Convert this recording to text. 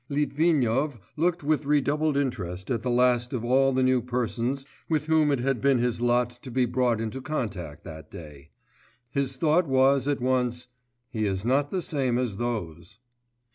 Litvinov looked with redoubled interest at the last of all the new persons with whom it had been his lot to be brought into contact that day. His thought was at once, 'He is not the same as those.